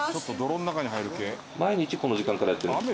毎日この時間からやってるんですか？